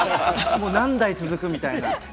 何代続く？みたいな。